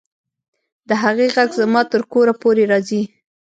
د هغې غږ زما تر کوره پورې راځي